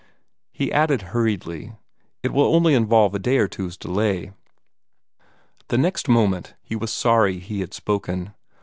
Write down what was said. He added hurriedly, "It will involve only a day or two's delay." The next moment he was sorry he had spoken.